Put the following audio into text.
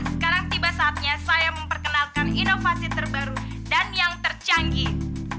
sekarang tiba saatnya saya memperkenalkan inovasi terbaru dan yang tercanggih